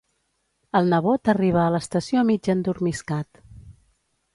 El nebot arriba a l'estació mig endormiscat.